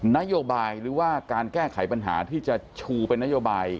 นโยบายหรือว่าการแก้ไขปัญหาที่จะชูเป็นนโยบาย